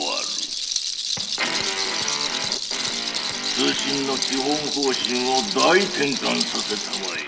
通信の基本方針を大転換させたまえ。